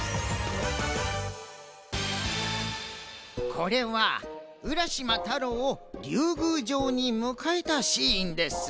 これは浦島太郎をりゅうぐうじょうにむかえたシーンです。